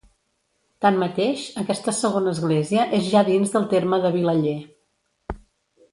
Tanmateix, aquesta segona església és ja dins del terme de Vilaller.